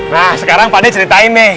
nah sekarang pak d ceritain nih